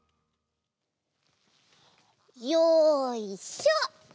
よいしょ！